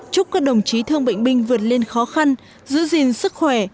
chúc các đồng chí thương bệnh binh vượt lên khó khăn giữ gìn sức khỏe